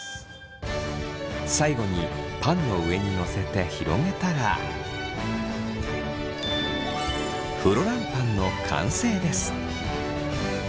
最後にパンの上にのせて広げたらフロランパンの完成です。